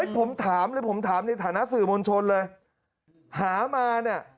ผมถามเลยผมถามในฐานะสื่อมวลชนเลยหามาเนี่ย